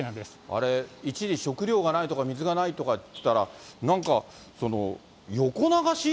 あれ、一時、食料がないとか水がないとか言ってたら、なんか横流し？